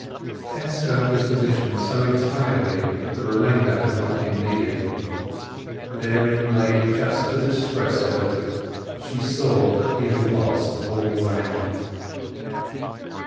Tess felt his position so entirely that the remainder had not been needed. Therein lay just the distress of it; she saw that he had lost all round.